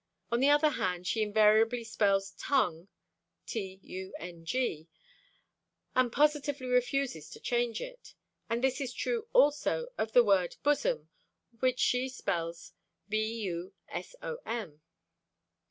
On the other hand she invariably spells tongue "tung," and positively refuses to change it, and this is true also of the word bosom, which she spells "busom."